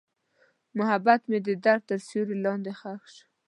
محبت مې د درد تر سیوري لاندې ښخ شو.